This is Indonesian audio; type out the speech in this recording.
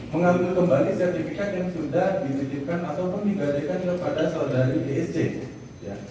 mengambil kembali sertifikat yang sudah dibidikan ataupun digadikan kepada saudari bsd